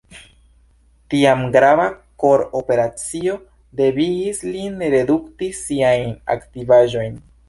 Tiam grava kor-operacio devigis lin redukti siajn aktivaĵojn.